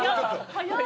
早い。